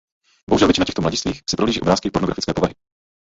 Bohužel většina těchto mladistvých si prohlíží obrázky pornografické povahy.